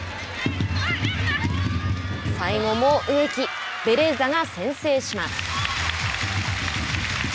最後も植木ベレーザが先制します。